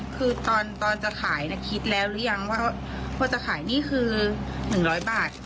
คือตอนจะขายคิดแล้วหรือยังว่าพอจะขายนี่คือ๑๐๐บาท